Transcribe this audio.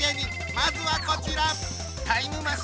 まずはこちら！